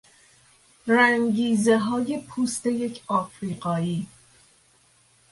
رنگیزههای پوست یک افریقایی